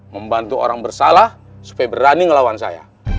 membantu orang bersalah supaya berani ngelawan saya